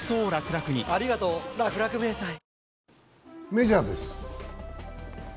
メジャーです。